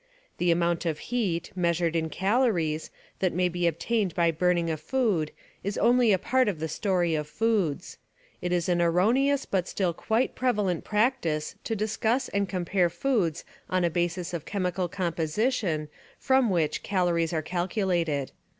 The amount of heat, measured in calories, that may be obtained by burning a food is only a part of the story of foods. It is an erroneous but still quite prevalent practice to discuss and com pare foods on a basis of chemical composition from which calories are calculated.